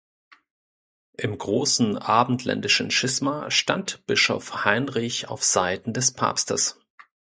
Im großen abendländischen Schisma stand Bischof Heinrich auf Seiten des Papstes.